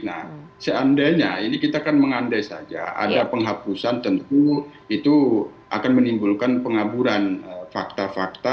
nah seandainya ini kita kan mengandai saja ada penghapusan tentu itu akan menimbulkan pengaburan fakta fakta